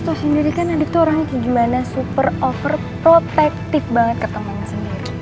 tuh sendiri kan nadif tuh orangnya gimana super overprotective banget ketemunya sendiri